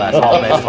masih belasan tahun